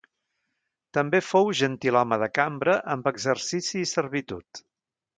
També fou Gentilhome de cambra amb exercici i servitud.